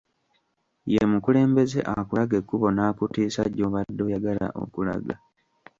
Ye mukulembeze akulaga ekkubo n'akutiisa gy'obadde oyagala okulaga.